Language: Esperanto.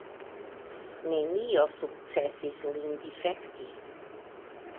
Nenio sukcesis lin difekti.